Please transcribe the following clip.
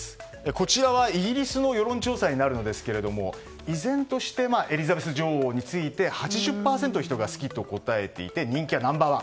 こちらはイギリスの世論調査になるんですが依然としてエリザベス女王について８０％の人が好きと答えていて人気はナンバー１。